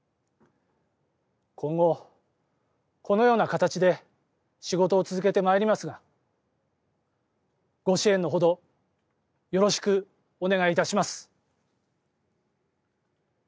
今後、このような形で仕事を続けてまいりますがご支援のほどよろしくお願いいたします。